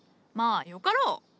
まあよかろう。